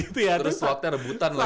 terus slotnya rebutan lagi